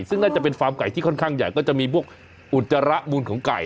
ซึ่งน่าจะเป็นฟาร์มไก่ที่ค่อนข้างใหญ่ก็จะมีพวกอุจจาระมูลของไก่